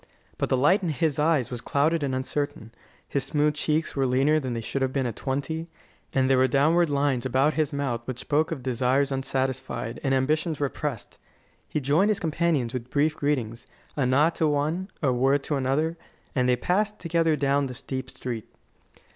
But the light in his eyes was clouded and uncertain; his smooth cheeks were leaner than they should have been at twenty; and there were downward lines about his mouth which spoke of desires unsatisfied and ambitions repressed. He joined his companions with brief greetings, a nod to one, a word to another, and they passed together down the steep street.